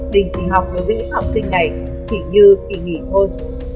đình chỉ học đối với những học sinh này chỉ như kỳ nghỉ thôi